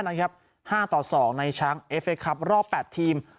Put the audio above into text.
นะครับห้าต่อสองในชร้างเอฟเตห์คลับรอบแปดทีม